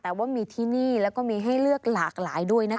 แต่ว่ามีที่นี่แล้วก็มีให้เลือกหลากหลายด้วยนะคะ